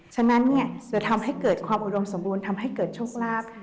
ฉะนั้นจะทำให้เกิดความอุดมสมบูรณ์ทำให้เกิดโชคลาภ